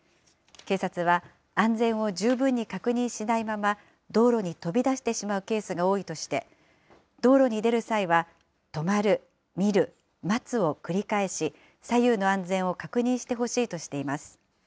警察は、安全を十分に確認しないまま、道路に飛び出してしまうケースが多いとして、道路に出る際は止まる、見る、待つを繰り返し、左右の安全を確認してほしいとしています。